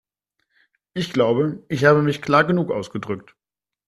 Ich glaube, ich habe mich klar genug ausgedrückt.